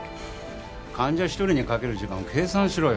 患者一人にかける時間を計算しろよ。